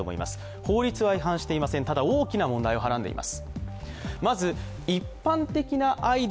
法律は違反していません、ただ、大きな問題をはらんでいます。